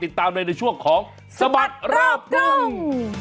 ติดตามในช่วงของสะบัดรอบกลุ่ม